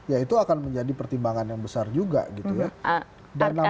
ya itu akan menjadi pertimbangan yang besar juga gitu ya